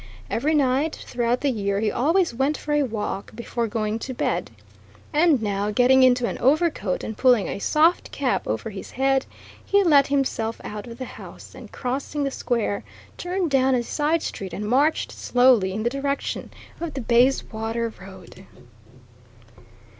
Every night, throughout the year, he always went for a walk before going to bed. And now, getting into an overcoat and pulling a soft cap over his head, he let himself out of the house, and crossing the square, turned down a side street and marched slowly in the direction of the Bayswater Road.